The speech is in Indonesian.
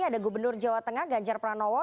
ada gubernur jawa tengah ganjar pranowo